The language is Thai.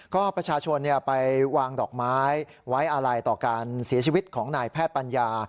ก็ประชาชนไปวางดอกไม้ไว้อะไรต่อการเสียชีวิตของนายแพทย์ปัญญา